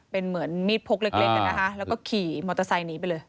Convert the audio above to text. เป็นเหมือนมีดพกเล็กนะคะแล้วก็ขี่มอเตอร์ไซค์หนีไปเลย